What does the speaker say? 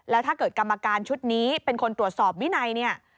แล้วถ้าเกิดกรรมการชุดนี้เป็นคนตรวจสอบวินัยเนี่ย